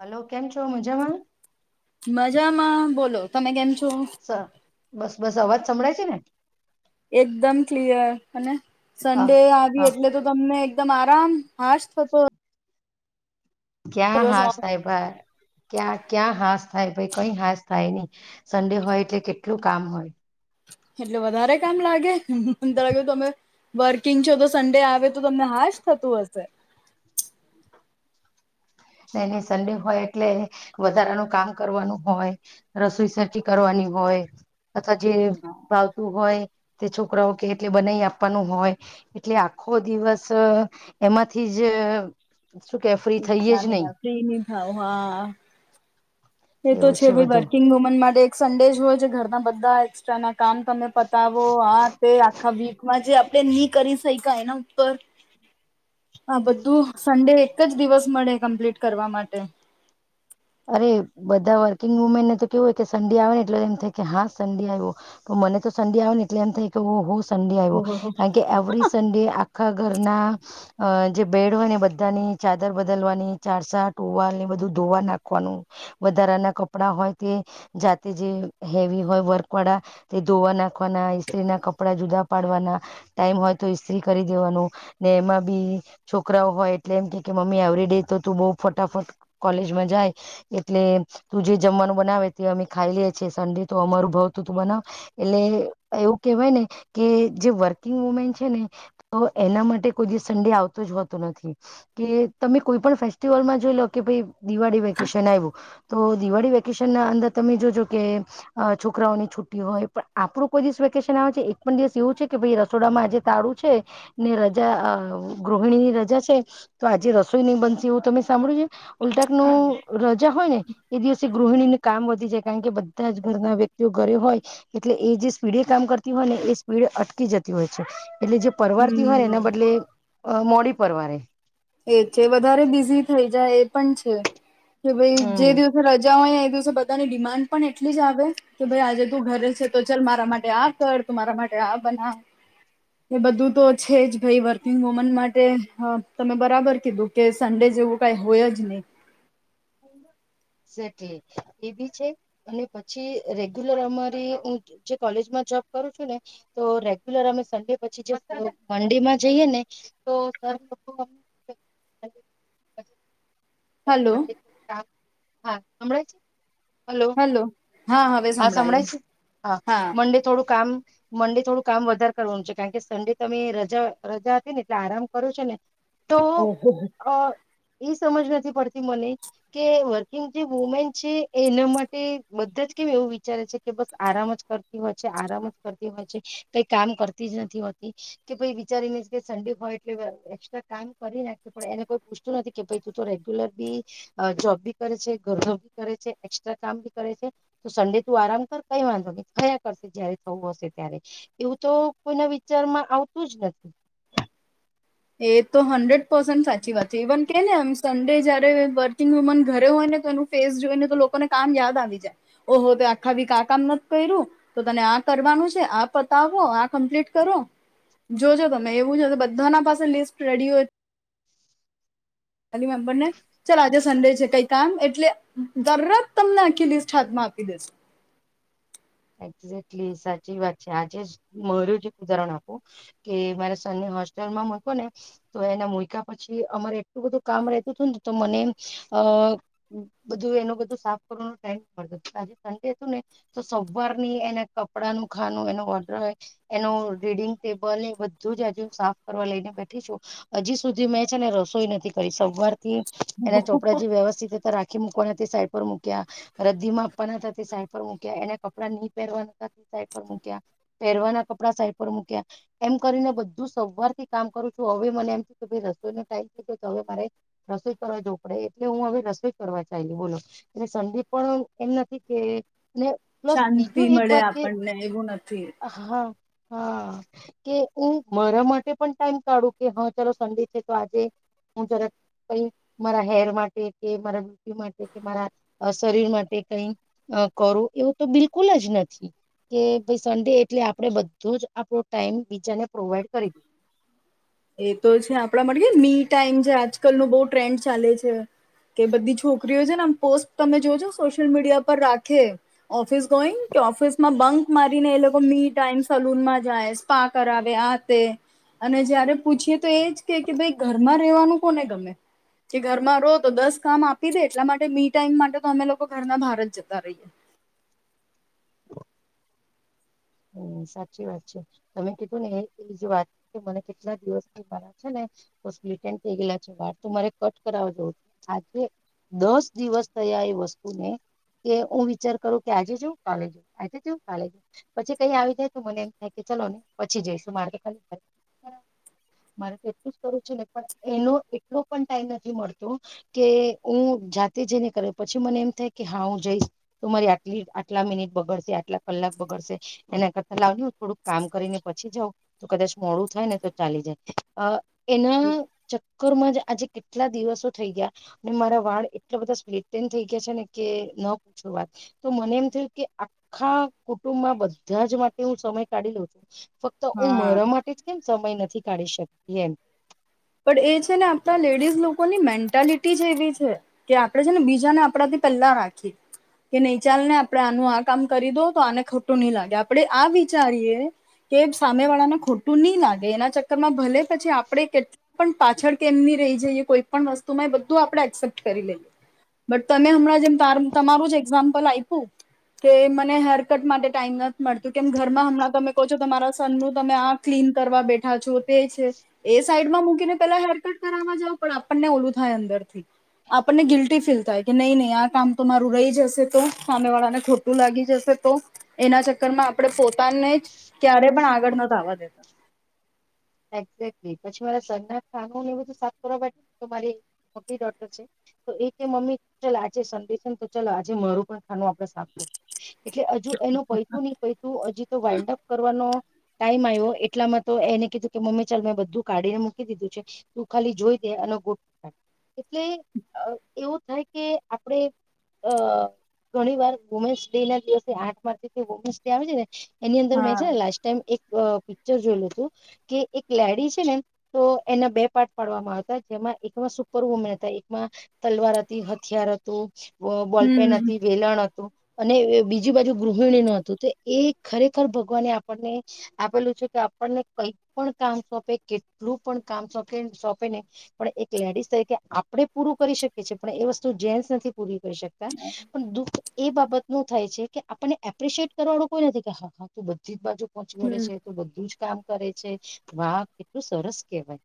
Hello કેમ છો મજામાં. મજામાં બોલો તમે કેમ છો? સ બસ બસ અવાજ સંભળાય છે ને. એકદમ ક્લિયર અને હા સન્ડે, આવી હા એટલે તો તમને એકદમ આરામ હાશ થતો. ક્યા દિવસ હાસ ઓફ થાય ભાઈ, ક્યાં, ક્યાં હાસ થાય ભાઈ કઈ હાસ થાય નઈ સંન્ડે હોય, એટલે કેટલું કામ હોય. એટલે વધારે, કામ લાગે મ તમે વર્કિંગ છો તો સડે આવે તો તમને હશ થતુ, હશે એને સડે હોય, એટલે વધારાનું કામ કરવાનું હોય રસોઈ સટી કરવાની હોય, અથવા જે ભાવતું હોય તે છોકરાઓ, કે એટલે બનાઈ આપવાનું હોય એટલે આખો દિવસ એમાંથી જ શુ, કે ફરી થઈ. ફ્રી ન થાવ હા એ તો એવું છે, ભ બધું વર્કિંગ વુમન માટે એક સંડેજ હોય છે, ઘરના બધા એસ્ટ્રા ના કામ, તમે પતાવો હા તે આખા વીકમાં જે આપણે નની કરી શાય એના ઉપર હ હા, બધું સન્ડે એક જ દિવસ મળે કમ્પ્લીટ કરવા માટે અરે બધા વર્કિંગ, વુમેનને તો કેવુંય કે સડે આવે ને એટલે એમ થાય કે હા, સડે આવ્યો મને, તો સન્ડે આવે ને એટલે એમ થાય કે, હો સડે આવ્યો ઓહ કારણ, કે એવરી સડે આખા ઘરના અ જે બેડ હોય, ને બધાની ચાદર બદલવાની ચાર સા ટોવાલ ને બધું ધોવા નાખ નુ વધારા ના કપડા હોય, તે જાતે જે હેવી હોય વર્ક વાળા ધોવા, નાખવાના ઇસ્ત્રી ના કપડા જુદા ડવાના ટાઈમ હોય, તો ઈસ્ત્રી કરી દેવાનું ને એમાં બી છોકરાઓ હોય, એટલે એમ કે કે મમ્મી એવરી, ડે તો તું બઉુ ફટાફટ કોલેજમાં જાય એટલે તુ જે જમવાનું બનાવે તે અમે ખાઈ લે છેએ, સન્ડે તો અમારુ ભાવ તુ તુ બનાવ એટલે એવું કેહેવાય, ને કે જે વર્કિંગ વુમેન છે ને તો એના માટે કોઈ સડે આવતો જ હોતો નથી. કે તમે કોઈ પણ ફેસ્ટિવલમાં જોઈ, લો કે દિવાળી વેકેશન આવ્યુ, તો દિવાળી વેકેશન ના અંદર તમે જોજો કે છોકરાઓની છુટ્ટી, હોય. પણ આપણું કોઈ દિવસ વેકેશન આવે છે, એક પણ દિવસ એવું છે, કે ભાઈ રસોડામાં આજે તાારું છે, ને રજા ગૃહિણીની રજા છે, તો આજે રસોઈ નહી બનશે એવું તમે સાંભળ્યું છે ઉલ્ટાક નુ હોય, ને એ દિવસે ગૃહિણીને કામ વધી જાય કારણ કે બધા જ ઘરના વ્યક્તિઓ ઘરે હોય, એટલે એ જે સ્પીડે કામ કરતી હોય, ને એ સ્પીડ અટકી જતી હોય છે. એટલે જે પરવારથી હોયને, હમ બદલે મોડી પરવારે એ છે વધારે બિઝી થઈ એ પણ છે, કે ભ જે દિવસે રજા હોય દિવસે બધાની ડિમાન્ડ પણ એટલી જ આવે કે ભાઈ આજે તું ઘરે છે, તો ચાલ મારા માટે આપ કર તમારા માટે આ બનાવ એ બધું તો છે, જ ભાઈ વર્કિંગ વુમન માટે હ તમે બરાબર કીધું, કે સડે જેવું કઈ હોય જ નહી એમ સેટલી એ બી છે, અને પછી રેગ્યુલર અમારી હુ, જે કોલેજમા જોબ કરું છુ, ને તો રેગ્યુલર અમે સન્ડે પછી મંડેમાં જઈએ ને તો [inaudible] હલો હા, હમણાં છે. હલો હવે હા, સંભળાય સંભળાયું છે, હા, મડે થોડું કામ મંડે થોડું કામ વધારે કરવાનું છે, કારણ કે સંડે તમે રજા રજા, હતી ને એટલે આરામ કરો છો ને તો ઓહો અ એ સમજ નથી, પડતી મને કે વર્કિંગ જે વુમેન છે. એના માટે બધા જ કેમ એવું વિચારે છે, કે બસ આરામ જ કરતી હોય, છે. આરામ જ કરતી હોય છે કઈ કામ કરતી જ નથી, હોતી કે પછ વિચારીને, કે સડે હોય, એટલે એક્સ્ટ્રા કામ કરી નાખે પણ એને કોઈ પૂછતું નથી. કે રેગ્યુલર બી જોબ ભી કરે છે, ઘ ભી કરે છે એક્સ્ટ્રા કામ ભી કરે છે. તો સંડે તું આરામ કર કઈ વાંધો કયા કરશે જયારે થવું હશે, ત્યારે એવું તો કોઈ નવી પિક્ચરમાં આવતું જ નથી એ તો હંડ્રેડ પર્સેન્ટ સાચી વાત છે ઇવન કે નેમ સંડે જયારે વર્કિંગ વુમન ઘરે હોય ને તો એનું ફેસ જોઈ ને તો લોકોને કામ યાદ આવી જાય ઓહો આખાી ક આ કામ નથી કર્યું તો તને આ કરવાનું છે આ પતાવો આ કમ્પ્લીટ કરો જોજો તમે એવું જ બધાના પાસે લિસ્ટ રેડી હોય [inaudible] ફેમલી મેમ્બરને ચાલ આજે સંન્ડે છે કઈ કામ એટલે દરત તમને આખી લિસ્ટ હાથમાં આપ કી છે [inaudible] એક્ઝેકલી સાચી વાત છે આજે મારું જ એક ઉદાહરણ આપું કે મારે સન્ય હોસ્ટેલમાં મકો ને તો એને મુક્યા પછી અમારે એટલું બધું કામ રેતું હતું ને તો મને અ બધું એનો બધું સાફ કરવાનો ટાઈમ પડતો આજે સન્ડે હતું ને સોવાર ની એના કપડા નું ખાનું એનો ઓર્ડર હોય એનું રીડિંગ ટેબલ એ બધું જ ફ કરવા લઈને બેઠી છું હજી સુધી મેં છેને રસોઈ નથી કરી સર થી એના ચોપડા જે વ્યવસ્થિત રીતે રાખી ી મૂકવાના સાઈડ પર મૂક્યા રદદી માં આપવાના હતા તે સાઈડ પર મૂક્યા એના કપડા નહી પહેરવાના સાઈ મૂક્યા પહેરવાના કપડા સાઈ પર મૂક્યા એમ કરીને બધું સોમવાર થી કામ કરું છું હવે મને એમ થ કે ભાઈ રસોઈ નો ટાઈમ થ ગયો હવે મારે રસોઈ કરવા જો પડે એટલે હું હ રસોઈ કરવા ચાલલી બોલો એટ સંડી પણ એમ નથી કે પ્લસ શાંતિ બીજું એક મળે વાત કે આપણને એવું નથી હા હા કે હું મારા માટે પણ ટાઈમ કાઢું કે હા ચાલો સંડે છે તો આજે હું જરા ક મારા હેર માટે કે મારા બ્યુટી માટે કે મારા શરીર માટે કઈ કરો એવું તો બિલકુલ જ નથી કે ભઈ સન્ડે એટલે આપણે બધું જ આપણો ટાઈમ બીજાને પ્રોવાઈડ કરી દે. એ તો છે આપણા માટે મી ટાઈમ છે આજકાલ નો બોહ ટ્રેન્ડ ચાલે છે. કે બધી છોકરીઓ છે ને આમ પોસ્ટ તમે જોજો સોશિયલ મીડિયા પર રાખે ઓફિસ ગોઈંગ. ઓફિસમાં બંક મારીને એ લોકો મી ટાઈમ સલૂનમાં જાય સ્પા કરાવે આ તે. અને જયારે પૂછીએ તો એજ કે કે ભાઈ ઘરમાં રહેવાનું કોને ગમે. કે ઘરમાં રહો તો દસ કામ આપી દે એટલા માટે મી ટાઈમ માટે તો અમે લોકો ઘરના બહાર જ જતા રહીએ. [inaudible] હમ સાચી વાત છે તમે કીધું ને એ એજ વાત મને કેટલા દિવસરા છે ને. બસ સપ્લીટ એન્ડ થઈ ગયલા છે વાળ તો મારે કટ કરાવવા જવું છે આજે. દસ દિવસ થયા એ વસ્તુને. કે હું વિચાર કરું કે આજે જાઉં કાલે જઉં આજે જાઉં કાલે જઉ. પછી કઈ આવી જાય તો મને એમ થાય કે ચલો ને પછી જઈશું મારે તો ખાલી. મારે તો એટલું જ કરું છે ને પણ એનો એટલો પણ ટાઈમ નથી મળતો કે હું. જાતે જઈને કરે પછી મને એમ થાય કે હા હું જઈશ તો મારી આટલી આટલા મિનિટ બગડશે આટલા કલાક. લગ બગડસે. એના કરતા લાવ થોડુંક કામ કરીને પછી જઉ તો કદાચ મોડું થાય ને તો ચાલી જાય. એના. કુકર માં જ આજે કેટલા દિવસો થઈ ગયા અને મારા વાળ માં એટલા બધા સપ્લીટ એન્ડ થઈ ગયા છે ને કે. ન પૂછ વાત તો મને એમ થય કે આખા કુટુંબમાં બધ. બધાજ માટે હું સમય કાઢી લઉ છું ફક્ત હું હા મારા માટે જ કેમ સમય નથી. [unintelligible] ઢી શકીએ એમ પણ એ છે ને આપણા લેડીઝ લોકોની મેન્ટાલિટી જ એવી છે કે આપણેે છે ને બીજાને આપણાથી. પલા રાખી. કે નહી ચાલ ને આપણેે આનું આ કામ કરી દો તો આને ખોટું નહી લાગે આપડણે આ વિચારીએ. કે સામે વાળાને ખોટું ની લાગે એના ચક્કરમાં ભલે પછી આપડે કેટલા. પણ પાછળ કેમની રહી જઈએ કોઈ પણણ વસ્તુમાં એ બધું આપડે એક્સેપ્ટ કરી લઈએ. બટ તને હમણાં જેમ તમારું જ એક્ઝામ્પલ આપ્યું. કે મને હેરકટ માટે ટાઈમ નથી મળતું કેમ ઘરમાં હમણાં તમે કહો છો તમારા સનનુંું તમે આ ક્લીન. કરવા બેઠા છો તે છે એ સાઈડમાં મૂક પેલા હેરકટ કર જાવ પણ આપણને ઓલું થાય અંદર થી. આપણને ગિલ્ટી ફીલ થાય કે નહી નહી આ કામ તો મારું રહી જશે તો સામે વાળા ને ખોટું લાગી જશે. એના ચક્કર માં આપણે પોતાને જ ક્યારે પણ આગળ ન થાવા દેતા. [inaudible] પછધ કરવારી મોટી ડોર છે. તો એ કે મમ્મી ચાલ આજે સંડ છે તો ચાલ આજે મારું પણ ખાનું આપડે સાભ. એટલે હજુ એનું પૈતું નહ પૈતું હજી તો વાઈન્ડઅપ કરવાનો. ટાઈમ આવ્યો એટલામાં તો એને કીધું. કે મમ્મી ચાલ મેં બધું કાઢીને મૂકી દીધું છે તું ખાલી જોઈ દે આ લોકો એટલે એવું થાય કે આપણેે. અ ઘણી વાર વુમેન્સ ડે ના દિવસે આઠ માર્ચ વુમેન્સ ડે આવે છે ને. એની અંદર મેં હા છે ને લાસ્ટ ટાઈમ એક પિક્ચર જોયેલું હતું કે. એક લેડી છે ને તો એના બે પાર્ટ પાડવામાં આવતા જેમાં એકમાં સુપર વુમેન હતા એકમાં. તલવાર હતી હથિયાર હતું બોલપેન હમ હતી વેલણ હતું. અને બીજી બાજુ ગૃહિણી ન હતું તો એ ખરેખર ભગવાને આપણને આપેલું છે કે. આપણને કઈ. પણ કામ સોંપે કેટલું પણ કામ સ સોંપે ને પણ એક લેડીસ તરીકે આપડે પૂરું. કરી શકે છે પણ એ વસ્તુ જેન્સ નથી પૂરી કરી શકતા પણ દુઃખ. એ બાબત નું થાય છે કે આપણને એપ્રિશિએટ કરવાળું કોઈ નથી કે હા હા તું બધી જ બાજુ. પહોચ વે હમ છે તો બધું જ કામ કરે છે વાહ કેટલું સરસ કેહેવાય.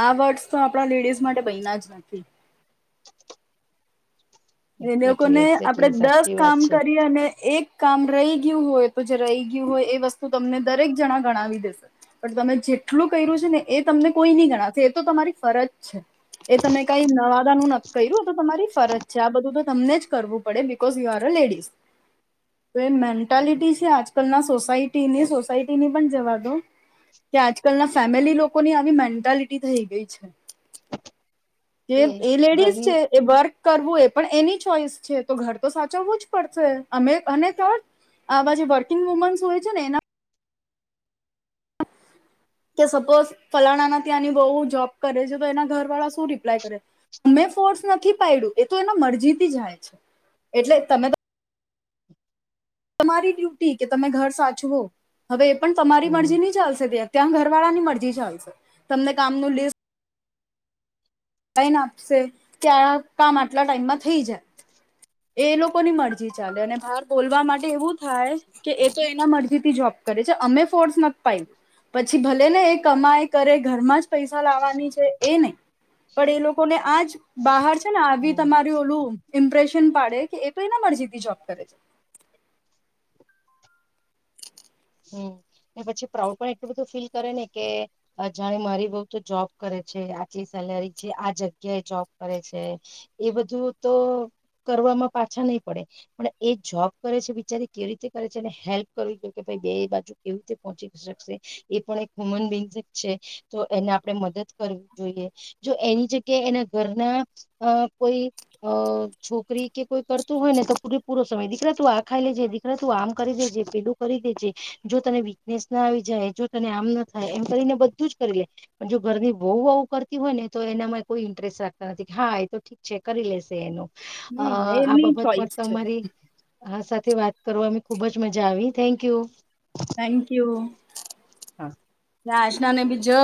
આ વર્ડસ તો આપણા લેડીઝ માટે બૈના જ નથી. [inaudible] એ એક્ઝેક્ટલી લોકોને એક્ઝેક્ટલી આપણેે દસ સાચી વાત કામ છે કરી અને એક કામ રહી ગયું હોય તો જે રહી ગયું હોય એ વસ્તુ તમને દરેક જણા ગણાવી દેશે પણ તમે જે એટલું કર્યું છે ને એ તમને કોઈ નહી ગણાવશે એ તો તમારી ફરજ છે એ તમે કઈ નવાદા નું નક્કી કર્યું હો તો તમારી ફરજ છે આ બધું તો તમને જ કરવું પડે because you are a ladies તો એ મેન્ટાલિટી છે આજકાલના સોસાયટી ની સોસાયટીની પણ જવા દો કે આજકાલના ફેમિલી લોકોની આવી મેન્ટાલિટી થઈ ગઈ છે જે કે એ લેડીઝ ઘરની છે એ બર્ક કર એ પણ એની ચોઈસ છે તો ઘર તો સાચવવું જ પડશે અમે અને આવા જે વર્કિંગ વુમન્સ હોય છે ને એના કે સપોઝ ફલાણા ના ત્યાંની બઉ જોબ કરે છે તો એના ઘર વાળા શું રિપ્લાય કરે અમે ફોર્સ નથી પાડડ્યું એ તો એના મરજીથી જાય છે એટલે તમે તો તમારી ડ્યુટી કે તમે ઘર સાચવો હવે એ પણ તમારી હમ મરજી નહી ચાલશે બે ત્યાં વાળાની મરજી ચાલશે તમને કામ ન લિસ્ટ લઈન આપશે કે આ કામ આટલા ટાઈમમાં થઈ જાય એ એ લોકોની મરજી ચાલે અને બાર બોલવા માટે એવું થાય કે એ તો એના મરજીથી જોબ ે છે અમે ફોર્સ નથી પાું પછી ભલે ને એ કમાય કરે ઘરમાં જ પૈસા લાવવાની છે એ નહી પણ એ લોકોને આજ બહાર છે ને આવી હમ તમાર ઓલું ઇમ્પ્રેશન પાડે કે એ તો એ પણ જદી જોબ કરે છે હમ પછી પ્રાઉડ પણ એટલું બધું ફીલ કરે ને કે જાણે મારી બહ તો જોબ કરે આચી સેલરી છે આ જગ્યાએ જોબ કરે છે એ બધું તો કરવામાં પાછા નહી પડે પણ એ જોબ કરે છે બિચારી કેવી રીતે કરે છે એ હેલ્પ કરવી જોઈએ બે બાજુ કેવી રીતે પહોચી શકશે એ પણ એકમન બ છે તો એને આપણે મદદ જોઈએ જો એની જગ્યા એના ઘરના કોઈ છોક દોકરી કે કોઈ કરતું હોય ને તો પૂ પૂરો સમય દીકરા તું આ ખાઈ લેજે દીકરા તું આમ કરી દેજે પેલું કરી તને વીકનેસ ના આવી જાય જો તને આમ ના થાય એમ કરીને બધું જ કરી લે પણ જો ઘર બહુ બવુ કરતી હોય ને તો એનામાં કોઈ ઇન્ટરેસ્ટ રાખતા નથી હા એ તો ઠીક છે કરી લેશે એનો અ હમ આ એમની બાબત પર ચોઈસ છે તમારી વાત કરવા અ ખુબ જ મજા આવી થેન્ક યુ. Thank you. હા. આશ્ના ને બી જો